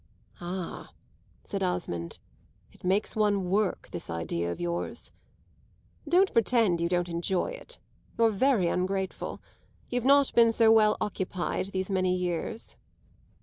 "Ah," said Osmond, "it makes one work, this idea of yours!" "Don't pretend you don't enjoy it you're very ungrateful. You've not been so well occupied these many years."